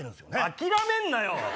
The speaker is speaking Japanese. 諦めんなよ！